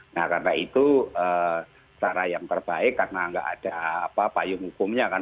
nah karena itu cara yang terbaik karena nggak ada payung hukumnya kan